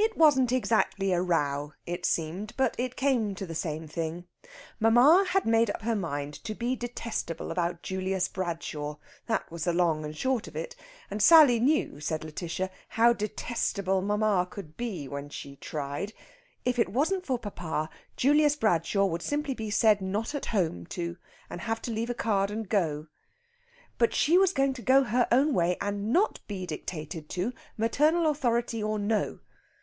It wasn't exactly a row, it seemed; but it came to the same thing. Mamma had made up her mind to be detestable about Julius Bradshaw that was the long and short of it. And Sally knew, said Lætitia, how detestable mamma could be when she tried. If it wasn't for papa, Julius Bradshaw would simply be said not at home to, and have to leave a card and go. But she was going to go her own way and not be dictated to, maternal authority or no.